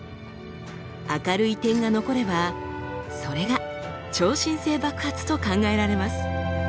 明るい点が残ればそれが超新星爆発と考えられます。